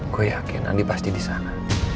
gue yakin andi pasti disana